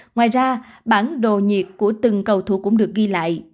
ngoài ra bản đồ nhiệt của từng cầu thủ cũng được ghi lại